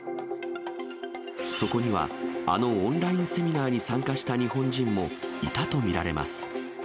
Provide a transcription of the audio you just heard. そこには、あのオンラインセミナーに参加した日本人もいたと見られます。